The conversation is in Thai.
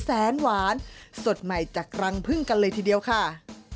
แสนหวานสดใหม่จากรังพึ่งกันเลยทีเดียวค่ะ